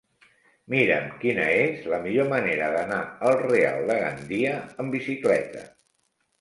Mira'm quina és la millor manera d'anar al Real de Gandia amb bicicleta.